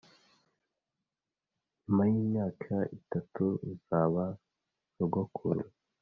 nyuma yimyaka itatu, uzaba sogokuru